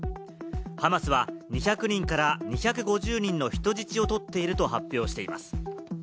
ハマスは２００人から２５０人の人質をとっていると発表しています。